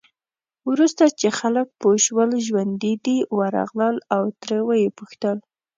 وروسته چې خلک پوه شول ژوندي دی، ورغلل او ترې یې وپوښتل.